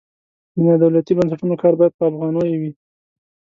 د نادولتي بنسټونو کار باید په افغانیو وي.